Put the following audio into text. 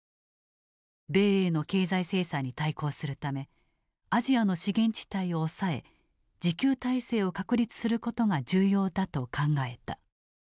米英の経済制裁に対抗するためアジアの資源地帯を押さえ自給体制を確立することが重要だと考えた。